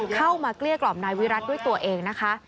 เกลี้ยกล่อมนายวิรัติด้วยตัวเองนะคะ